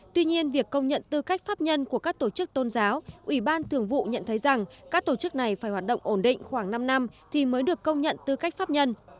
tuy nhiên việc công nhận tư cách pháp nhân của các tổ chức tôn giáo ủy ban thường vụ nhận thấy rằng các tổ chức này phải hoạt động ổn định khoảng năm năm thì mới được công nhận tư cách pháp nhân